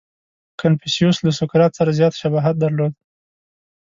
• کنفوسیوس له سوکرات سره زیات شباهت درلود.